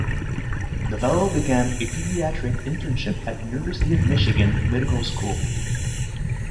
Novello began a pediatric internship at University of Michigan Medical School.